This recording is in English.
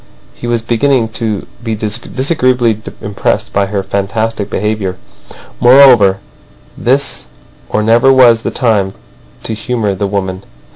He was beginning to be disagreeably impressed by her fantastic behaviour. Moreover, this or never was the time to humour the woman.